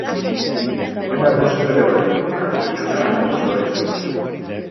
Hainbat museo ere baditu, garrantzitsuena arte museoa izanik.